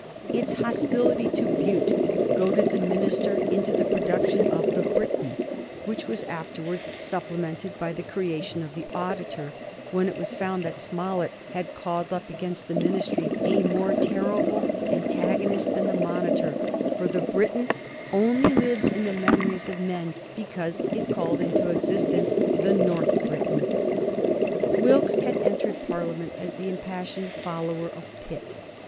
Its hostility to Bute goaded the minister into the production of the Briton, which was afterwards supplemented by the creation of the Auditor when it was found that Smollett had called up against the Ministry a more terrible antagonist than the Monitor. For the Briton only lives in the memories of men because it called into existence the North Briton. Wilkes had entered Parliament as the impassioned follower of Pitt.